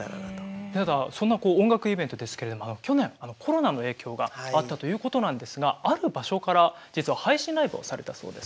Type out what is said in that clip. そんな音楽イベントですけれども去年コロナの影響があったということなんですがある場所から実は配信ライブをされたそうです。